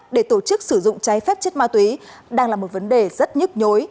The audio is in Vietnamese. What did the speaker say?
để tổ chức sử dụng trái phép chất ma túy đang là một vấn đề rất nhức nhối